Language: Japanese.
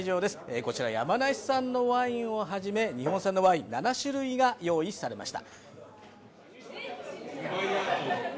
こちら山梨産のワインをはじめ日本産のワイン、７種類が用意されました。